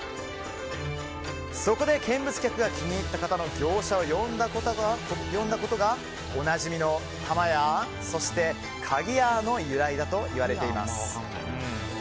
そこで見物客が気に入ったほうの業者を呼んだことがおなじみのたまや、かぎやの由来だといわれています。